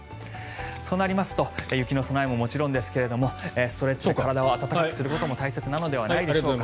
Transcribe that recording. そうなりますと雪の備えももちろんですがストレッチで体を温かくすることも大切じゃないでしょうか。